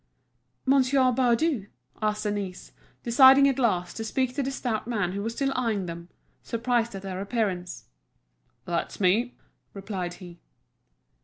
"Monsieur Baudu?" asked Denise, deciding at last to speak to the stout man who was still eyeing them, surprised at their appearance. "That's me," replied he.